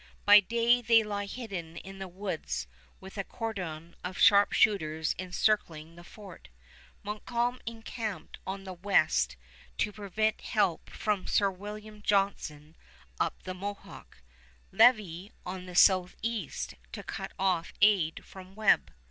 By day they lie hidden in the woods with a cordon of sharpshooters encircling the fort, Montcalm encamped on the west to prevent help from Sir William Johnson up the Mohawk, Lévis on the southeast to cut off aid from Webb.